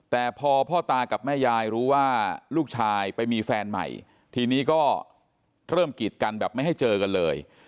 แต่พอพ่อตากับแม่ยายรู้ว่าลูกชายไปมีแฟนใหม่ทีนี้ก็เริ่มกีดกันแบบไม่ให้เจอกันเลย